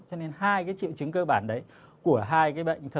cho nên hai cái triệu chứng cơ bản đấy của hai cái bệnh